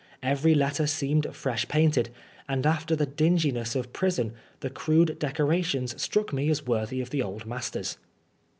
Every letter seemed fresh painted, and after the dinginess of prison, the crude decorations struck me as worthy of the old masters.